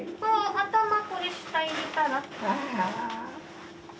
頭これ下入れたら？